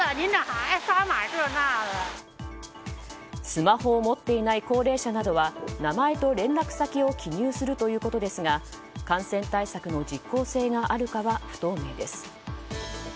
スマホを持っていない高齢者などは名前と連絡先を記入するということですが感染対策の実効性があるかは不透明です。